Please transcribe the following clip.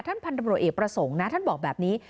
ท่านพันธ์ตำรวจเอกประสงค์ท่านบอกแบบนี้